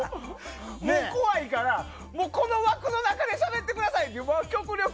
もう怖いから、この枠の中でしゃべってください